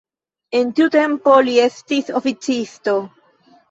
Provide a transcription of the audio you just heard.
En tiu tempo li estis oficisto.